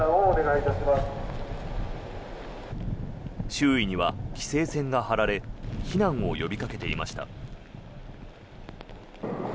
周囲には規制線が張られ避難を呼びかけていました。